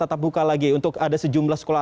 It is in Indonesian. tetap buka lagi untuk ada sejumlah sekolah